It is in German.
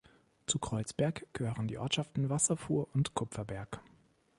Zu Kreuzberg gehören die Ortschaften Wasserfuhr und Kupferberg.